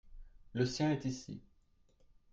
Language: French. le sien est ici.